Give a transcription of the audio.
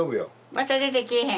また出てきいひん？